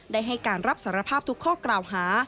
ได้ให้การรับสารภาพทุกข้อกล่าวหา